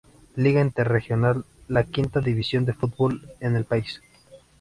Liga Interregional, la quinta división de fútbol en el país.